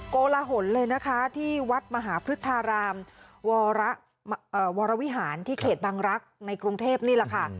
โกลหลเลยนะคะที่วัดมหาพฤทธารามวรวิหารที่เขตบังรักษ์ในกรุงเทพนี่แหละค่ะ